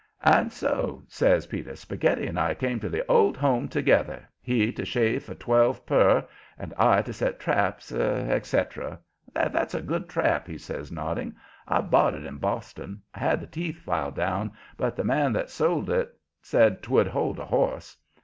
"And so," says Peter, "Spaghetti and I came to the Old Home together, he to shave for twelve per, and I to set traps, etcetera. That's a good trap," he says, nodding, "I bought it in Boston. I had the teeth filed down, but the man that sold it said 'twould hold a horse.